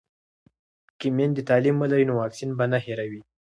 که میندې تعلیم ولري نو واکسین به نه هیروي.